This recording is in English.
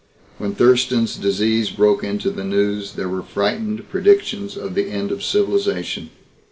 When Thurston's Disease broke into the news there were frightened predictions of the end of civilization.